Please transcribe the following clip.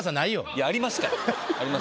いやありますから。